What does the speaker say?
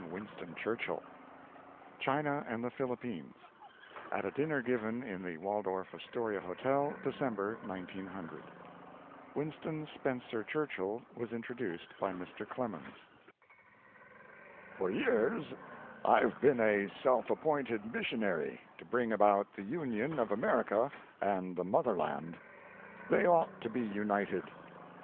Digitized by VjOOQ iC CHINA AND THE PHILIPPINES At a Dinner Given in the Waldorf Astoria Hotel, December, 1900 Winston Spencer Churchill was introduced by Mr. Clemens. FOR years I've been a self appointed mission ary to bring about the union of America and the motherland. They ought to be united.